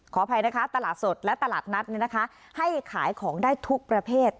อภัยนะคะตลาดสดและตลาดนัดให้ขายของได้ทุกประเภท